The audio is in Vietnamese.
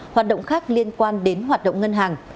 hoạt động khác liên quan đến hoạt động ngân hàng